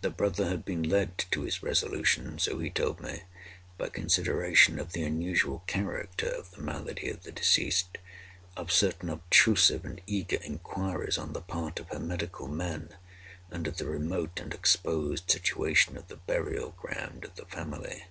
The brother had been led to his resolution (so he told me) by consideration of the unusual character of the malady of the deceased, of certain obtrusive and eager inquiries on the part of her medical men, and of the remote and exposed situation of the burial ground of the family.